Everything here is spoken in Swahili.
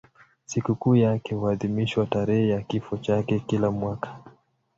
Sikukuu yake huadhimishwa tarehe ya kifo chake kila mwaka.